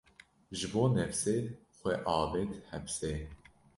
Ji bo nefsê, xwe avêt hepsê